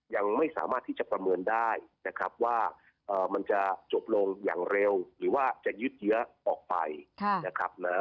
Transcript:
ยังไม่สามารถที่จะประเมินได้นะครับว่ามันจะจบลงอย่างเร็วหรือว่าจะยืดเยื้อออกไปนะครับ